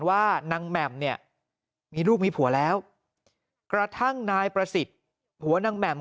ว่านางแหม่มเนี่ยมีลูกมีผัวแล้วกระทั่งนายประสิทธิ์ผัวนางแหม่ม